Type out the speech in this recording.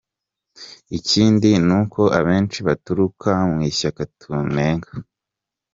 Ikindi ni uko abenshi baturuka mu ishyaka tunenga.